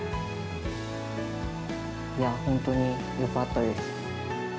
いや、本当によかったです。